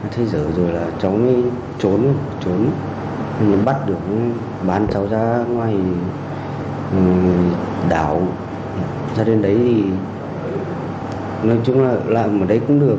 thế giới rồi là cháu mới trốn trốn bắt được bán cháu ra ngoài đảo ra đến đấy thì nói chung là làm ở đấy cũng được